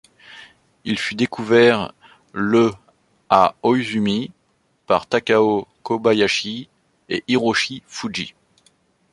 Il fut découvert le à Ōizumi par Takao Kobayashi et Hiroshi Fujii.